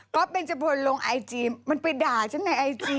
ก็จะโป้นลงไอจีมันไปด่าฉันในไอจี